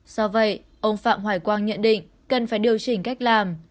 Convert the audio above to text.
do vậy ông phạm hoài quang nhận định cần phải điều chỉnh cách làm